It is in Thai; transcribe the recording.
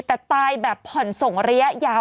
แต่ตายแบบผ่อนส่งระยะยาว